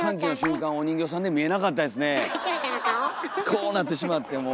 こうなってしまってもう。